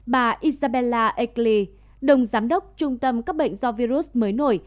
bà isabella egli đồng giám đốc trung tâm cấp bệnh do virus mới nổi